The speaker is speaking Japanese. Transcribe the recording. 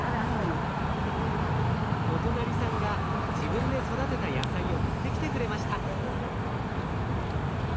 お隣さんが自分で育てた野菜を持ってきてくれました。